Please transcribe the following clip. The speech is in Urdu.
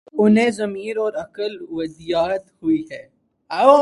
انہیں ضمیر اور عقل ودیعت ہوئی ہی